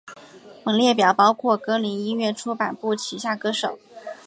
本列表包括歌林音乐出版部旗下歌手。